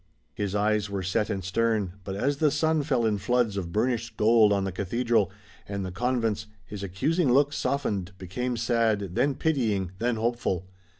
His eyes were set and stern, but, as the sun fell in floods of burnished gold on the cathedral and the convents, his accusing look softened, became sad, then pitying, then hopeful.